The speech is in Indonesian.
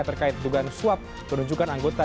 terkait dugaan suap penunjukan anggota